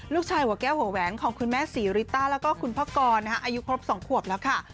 หัวใจหัวแก้วหัวแหวนของคุณแม่ศรีริต้าแล้วก็คุณพ่อกรอายุครบ๒ขวบแล้วค่ะ